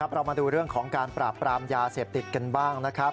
เรามาดูเรื่องของการปราบปรามยาเสพติดกันบ้างนะครับ